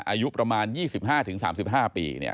อายุประมาณ๒๕ถึง๓๕ปีเนี่ย